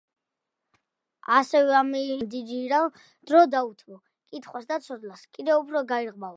ასევე ამ იზოლაციის დროს, მან დიდი დრო დაუთმო კითხვას და ცოდნა კიდევ უფრო გაიღრმავა.